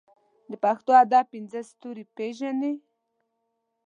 د پښتو ادب پنځه ستوري پېژنې.